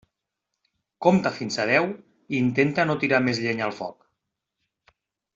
Compta fins a deu i intenta no tirar més llenya al foc.